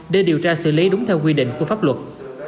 để điều tra xử lý đúng theo quy định của pháp luật